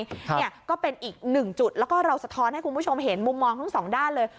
เนี่ยก็เป็นอีกหนึ่งจุดแล้วก็เราสะท้อนให้คุณผู้ชมเห็นมุมมองทั้งสองด้านเลย